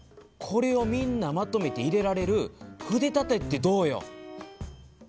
これをみんなまとめて入れられる筆立てってどうよ。